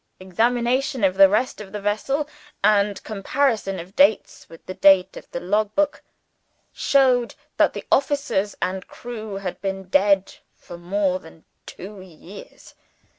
"Examination of the rest of the vessel, and comparison of dates with the date of the log book, showed that the officers and crew had been dead for more than two years.